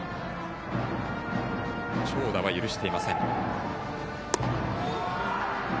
長打は許していません。